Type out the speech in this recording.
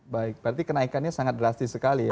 baik berarti kenaikannya sangat drastis sekali ya